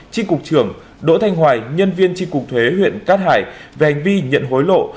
tri cục trưởng đỗ thanh hoài nhân viên tri cục thuế huyện cát hải về hành vi nhận hối lộ